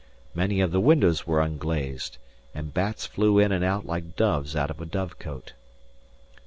Many of the windows were unglazed, and bats flew in and out like doves out of a dove cote.